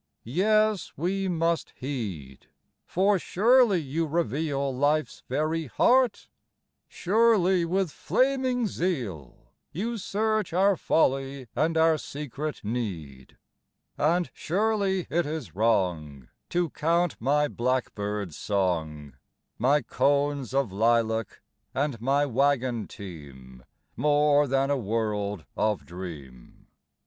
Yes, we must heed— For surely you reveal Life's very heart; surely with flaming zeal You search our folly and our secret need; And surely it is wrong To count my blackbird's song, My cones of lilac, and my wagon team, More than a world of dream.